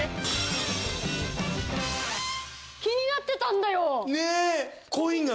気になってたんだよ。ねぇ。